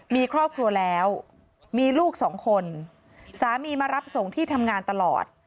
มีครอบครัวแล้วมีลูกสองคนสามีมารับส่งที่ทำงานตลอด